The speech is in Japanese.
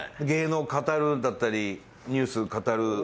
芸能を語るだったりニュースを語る。